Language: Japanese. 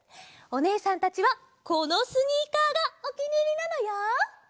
おねえさんたちはこのスニーカーがおきにいりなのよ。